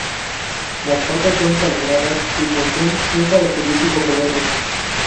Las patas son palmeadas y poseen un característico color rosa.